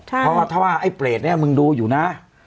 เพราะว่าถ้าว่าไอ้เปรตเนี่ยมึงดูอยู่นะ